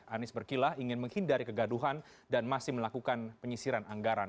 anies berkilah ingin menghindari kegaduhan dan masih melakukan penyisiran anggaran